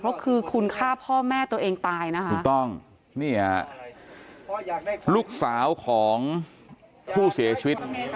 เพราะคือคุณฆ่าพ่อแม่ตัวเองตายนะคะถูกต้องนี่ฮะลูกสาวของผู้เสียชีวิต